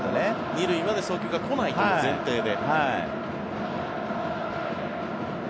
２塁まで送球が来ないという前提で。